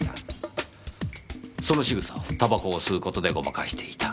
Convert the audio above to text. その仕草をタバコを吸う事でごまかしていた。